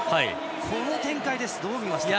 この展開、どう見ますか。